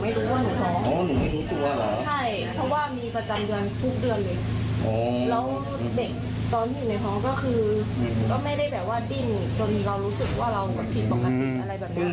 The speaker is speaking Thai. แล้วหนูอยู่บ้านคนเดียวเดี๋ยวข้อมีโทรหาเพื่อน